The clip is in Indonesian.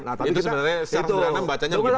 itu sebenarnya secara sederhana bacanya begitu ya